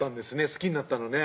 好きになったのね